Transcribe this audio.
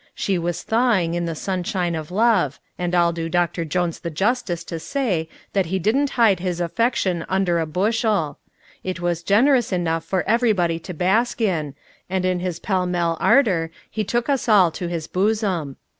She was thawing in the sunshine of love, and I'll do Doctor Jones the justice to say that he didn't hide his affection under a bushel. It was generous enough for everybody to bask in, and in his pell mell ardor he took us all to his bosom.